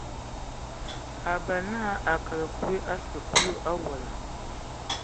A bələ na a kələ kui a sikulu owola.